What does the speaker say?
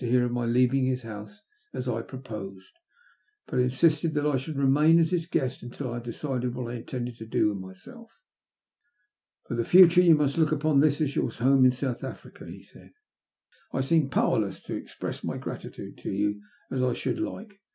hear of my leaving his hoase as I proposed, but insisted that I should remain as his guest until I had decided what I intended to do with myself. " For the future you must look upon this as your home in South Africa/' he said. *' I seem powerless to express my gratitude to you as I should like.